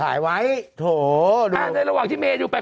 ถ่ายไว้โถอ่าในระหว่างที่เมย์ดูไป